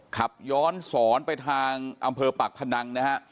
ขับย้อนสอนไปทางอำเภอปากพนังนะฮะ